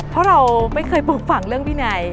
เพราะเราไม่เคยฟังเรื่องพี่นาย